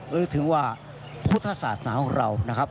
ลืกถึงว่าพุทธศาสตราของเรา